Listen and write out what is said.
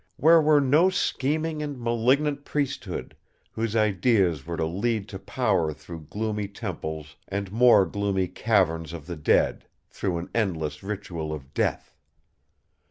Where were no scheming and malignant priesthood; whose ideas were to lead to power through gloomy temples and more gloomy caverns of the dead, through an endless ritual of death!